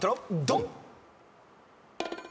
ドン！